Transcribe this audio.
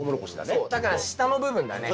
そうだから下の部分だね。